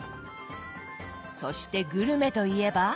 そしてグルメといえば。